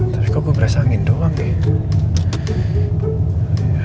tapi kok gue berasa angin doang ya